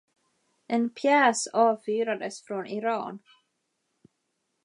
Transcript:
En pjäs avfyrades från Iran.